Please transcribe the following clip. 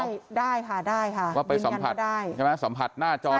ใช่ได้ค่ะได้ค่ะว่าไปสัมผัสได้ใช่ไหมสัมผัสหน้าจอ